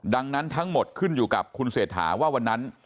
ดังนั้นทั้งหมดขึ้นอยู่กับคุณเศรษฐาว่าวันนั้น